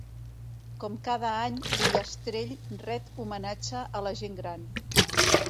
Com cada any Ullastrell ret homenatge a la Gent Gran.